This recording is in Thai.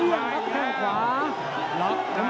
ต้องเตรียมครับข้างขวา